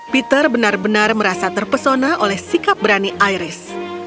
peter benar benar merasa terpesona oleh sikap berani iris